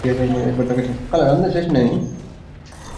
বাকের মুখে গ্রামের ঘাট।